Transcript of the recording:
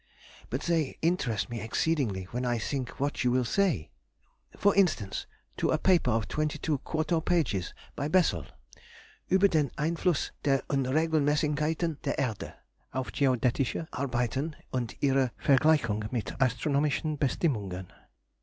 But they interest me exceedingly when I think what you will say. For instance, to a paper of twenty two quarto pages, by Bessel, "_Über den Einfluss der Unregelmässigkeiten der Erde, auf geodetische Arbeiten und ihre Vergleichung mit den astronomischen Bestimmungen_."